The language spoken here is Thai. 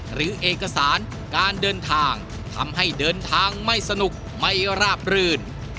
หรือเอกสารการเดินทางทำให้เดินทางไม่สนุกไม่ราบรื่น